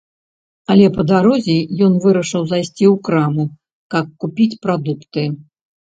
Але па дарозе ён вырашыў зайсці ў краму, каб купіць прадукты.